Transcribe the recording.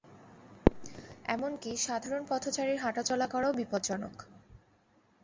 এমনকি সাধারণ পথচারীর হাঁটাচলা করাও বিপজ্জনক।